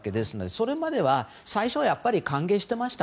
それまでは最初はやっぱり歓迎してました。